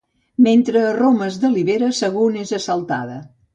Mentre a Roma es delibera, Sagunt és assaltada.